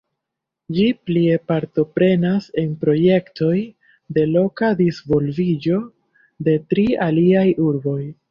Ĝi plie partoprenas en projektoj de loka disvolviĝo de tri aliaj urboj.